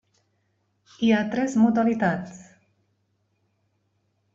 Hi ha tres modalitats: